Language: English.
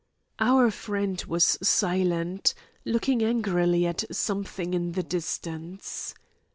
Our friend was silent, looking angrily at something in the distance.